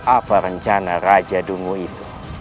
apa rencana raja dungu itu